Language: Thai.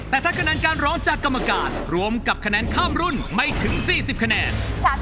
แต่ถ้าคะแนนการร้องจากกรรมการรวมกับคะแนนข้ามรุ่นไม่ถึง๔๐คะแนน